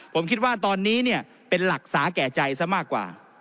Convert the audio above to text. ผมคิดว่าตอนนี้เนี่ยเป็นหลักสาแก่ใจซะมากกว่า